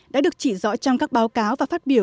đã được chỉ rõ trong các báo cáo và phát biểu